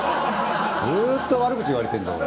ずっと悪口言われてんだ俺。